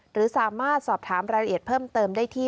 หรือสามารถสอบถามรายละเอียดเพิ่มเติมได้ที่